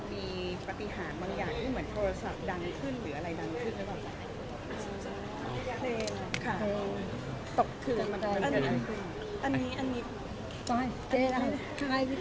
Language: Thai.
มีปฏิหารบางอย่างที่เหมือนโทรศัพท์ดังขึ้นหรืออะไรดังขึ้นหรือเปล่า